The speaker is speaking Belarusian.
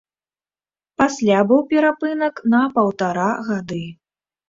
Пасля быў перапынак на паўтара гады.